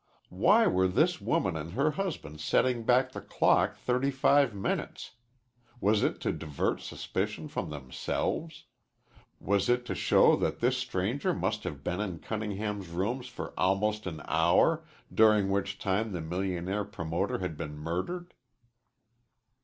Why were this woman and her husband setting back the clock thirty five minutes? Was it to divert suspicion from themselves? Was it to show that this stranger must have been in Cunningham's rooms for almost an hour, during which time the millionaire promoter had been murdered?